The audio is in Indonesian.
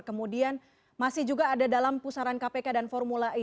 kemudian masih juga ada dalam pusaran kpk dan formula e